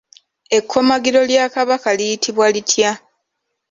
Ekkomagiro lya Kabaka liyitibwa litya?